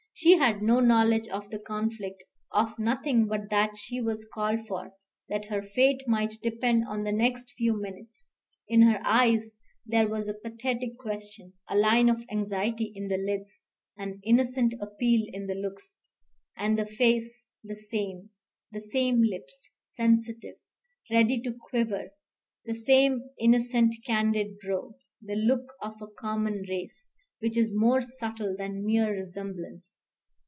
She had no knowledge of the conflict, of nothing but that she was called for, that her fate might depend on the next few minutes. In her eyes there was a pathetic question, a line of anxiety in the lids, an innocent appeal in the looks. And the face the same: the same lips, sensitive, ready to quiver; the same innocent, candid brow; the look of a common race, which is more subtle than mere resemblance.